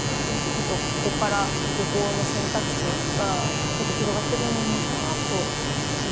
ちょっとここから旅行の選択肢が結構広がって来るのかなと思いました。